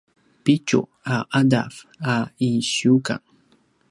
pitju a ’adav a ’isiukang